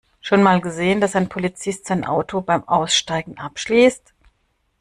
Schon mal gesehen, dass ein Polizist sein Auto beim Aussteigen abschließt?